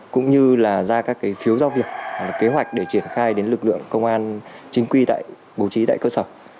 cũng như là ra các phiếu giao việc kế hoạch để triển khai đến lực lượng công an chính quy tại bố trí tại cơ sở